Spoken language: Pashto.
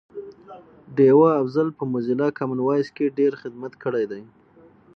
ډیوه افضل په موزیلا کامن وایس کی ډېر خدمت کړی دی